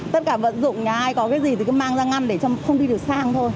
tất cả vận dụng nhà ai có cái gì thì cứ mang ra ngăn để không đi được sang thôi